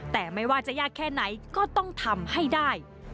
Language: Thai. แต่ไม่ว่าจะยากแค่ไหนก็ต้องทำให้ได้